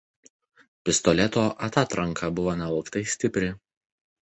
Pistoleto atatranka buvo nelauktai stipri.